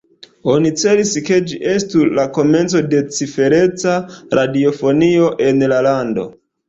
Oni celis, ke ĝi estu la komenco de cifereca radiofonio en la lando.